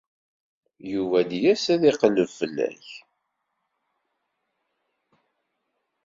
Yuba ad d-yas ad iqelleb fell-ak.